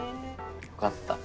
よかった。